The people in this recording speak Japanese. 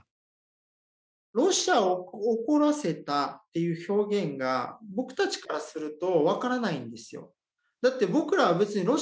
「ロシアを怒らせた」っていう表現が僕たちからすると分からないんですよ。